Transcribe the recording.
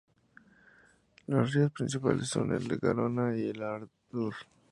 Los ríos principales son el Garona y el Adur.